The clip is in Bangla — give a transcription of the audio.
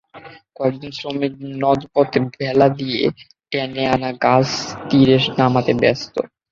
কয়েকজন শ্রমিক নদপথে ভেলা দিয়ে টেনে আনা গাছ তীরে নামাতে ব্যস্ত।